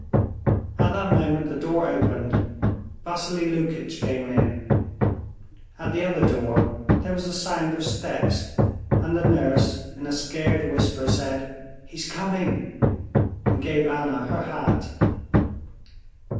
At that moment the door opened. Vassily Lukitch came in. At the other door there was the sound of steps, and the nurse in a scared whisper said, "He's coming," and gave Anna her hat.